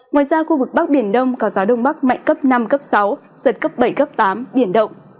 ngoài ra khu vực bắc biển đông có gió đông bắc mạnh cấp năm cấp sáu giật cấp bảy cấp tám biển động